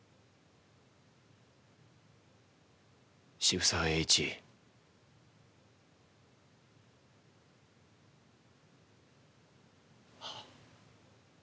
渋沢栄一。ははっ。